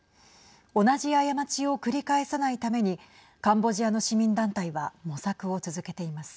同じ過ちを繰り返さないためにカンボジアの市民団体は模索を続けています。